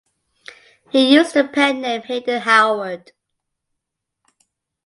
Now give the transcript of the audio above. He used the pen name Hayden Howard.